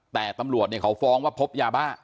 แต่ตำรวจเขาฟ้องว่าพบยาบ้า